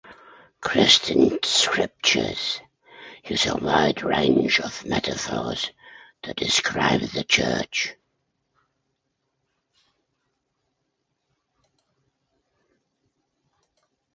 Christian scriptures use a wide range of metaphors to describe the Church.